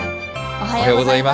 おはようございます。